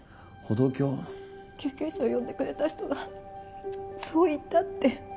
救急車を呼んでくれた人がそう言ったって。